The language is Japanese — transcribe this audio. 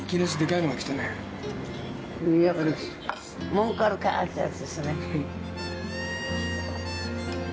文句あるかってやつですね。